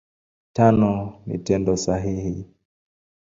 Tano ni Tendo sahihi.